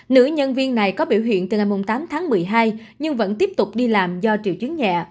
nữ nhân viên này có biểu hiện từ ngày tám tháng một mươi hai nhưng vẫn tiếp tục đi làm do triệu chứng nhẹ